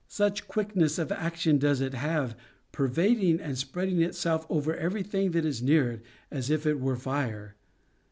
Such quickness of action does it have, pervad ing and spreading itself over every thing that is near it, as if it were fire.